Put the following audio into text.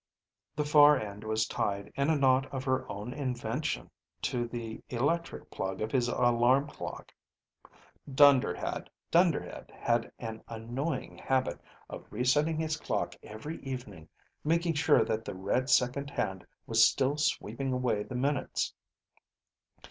The far end was tied in a knot of her own invention to the electric plug of his alarm clock. Dunderhead had an annoying habit of re setting his clock every evening making sure that the red second hand was still sweeping away the minutes.